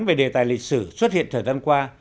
về đề tài lịch sử xuất hiện thời gian qua